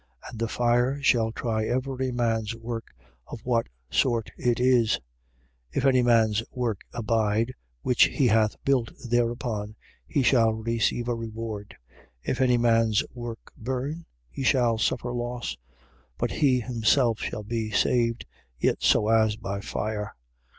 And the fire shall try every man's work, of what sort it is. 3:14. If any man's work abide, which he hath built thereupon, he shall receive a reward. 3:15. If any mans work burn, he shall suffer loss: but he himself shall be saved, yet so as by fire.